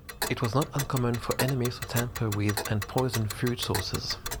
It was not uncommon for enemies to tamper with and poison food sources.